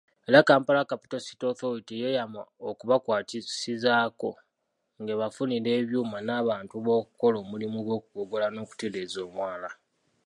Era Kampala Capital City Authority yeeyama okubakwasizaako ng'ebafunira ebyuma n'abantu b'okukola omulimu gw'okugogola n'okutereeza omwala.